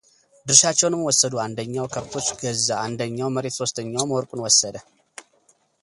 ድርሻቸውንም ወሰዱ አንደኛው ከብቶች ገዛ አንደኛው መሬት ሶስተኛውም ወርቁን ወሰደ፡፡